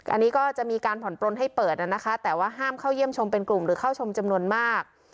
อันนี้ก็จะมีการผ่อนปลนให้เปิดนะคะแต่ว่าห้ามเข้าเยี่ยมชมเป็นกลุ่มหรือเข้าชมจำนวนมาก